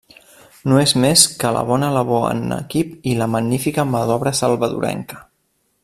No és més que la bona labor en equip i la magnífica mà d'obra Salvadorenca.